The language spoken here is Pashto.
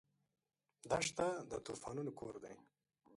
دښته د طوفانونو کور دی.